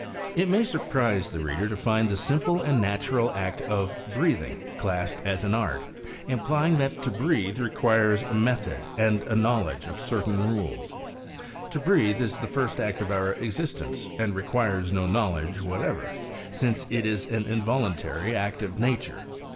It may surprise the reader to find the simple and ratural act of breathing classed as an Art, implying that to breathe requires method and a knowledge of certain rules. To breathe is the first act of our existence, and requires no knowledge whatever, since it is an involuntary act of nature.